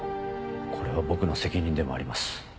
これは僕の責任でもあります。